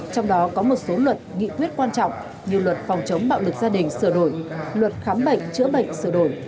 trong đó có một số luật nghị quyết quan trọng như luật phòng chống bạo lực gia đình sửa đổi luật khám bệnh chữa bệnh sửa đổi